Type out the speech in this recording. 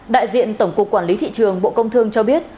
đại diện tổng cục quản lý thị trường bộ công thương cho biết